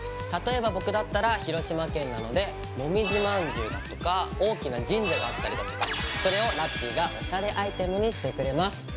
例えば僕だったら広島県なのでもみじまんじゅうだとか大きな神社があったりだとかそれをラッピィがおしゃれアイテムにしてくれます。